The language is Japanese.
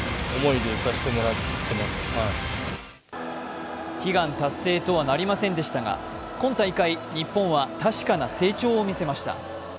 一夜明けて悲願達成とはなりませんでしたが今大会日本は確かな成長を見せました。